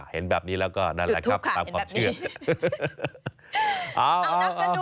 เห็นแบบนี้แล้วก็นั่นแหละครับติดถูกค่ะเห็นแบบนี้